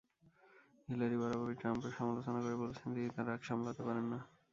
Hillary বরাবরই ট্রাম্পের সমালোচনা করে বলেছেন, তিনি তাঁর রাগ সামলাতে পারেন না।